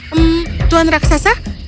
hmm tuan raksasa